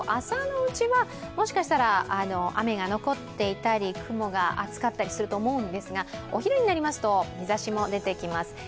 朝のうちはもしかしたら雨が残っていたり雲が厚かったりすると思うんですが日差しも出てきます。